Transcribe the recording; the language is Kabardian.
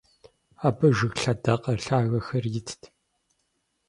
Абы жыг лъэдакъэ лъагэхэр итт.